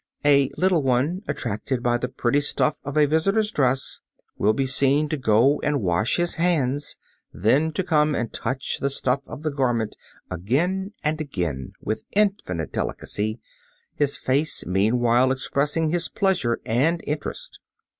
A little one, attracted by the pretty stuff of a visitor's dress, will be seen to go and wash his hands, then to come and touch the stuff of the garment again and again with infinite delicacy, his face meanwhile expressing his pleasure and interest.